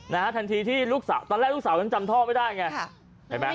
นะฮะทันทีที่ลูกสาวตอนแรกลูกสาวก็จำพ่อไม่ได้ไง